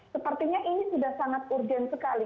sepertinya ini sudah sangat urgent sekali